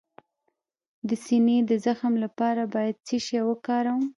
د سینې د زخم لپاره باید څه شی وکاروم؟